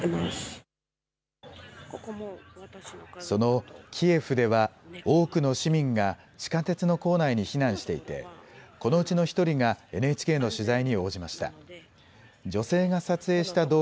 そのキエフでは多くの市民が地下鉄の構内に避難していてこのうちの１人がＮＨＫの取材に応じました。